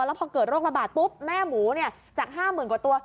แล้วพอเกิดโรคระบาดปุ๊บแม่หมูจาก๕๐๐๐กว่าตัว